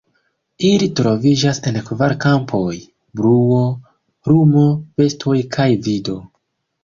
Ili troviĝas en kvar kampoj: bruo, lumo, bestoj kaj vido.